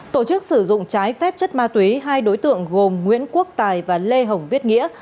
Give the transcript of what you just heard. tổ chức sử dụng trái phép chất ma túy hai đối tượng gồm nguyễn quốc tài và lê hồng viết nghĩa